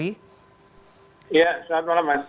iya selamat malam mas